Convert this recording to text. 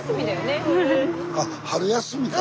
あ春休みか。